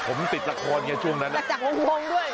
ผมติดละครไงช่วงนั้นอ้าว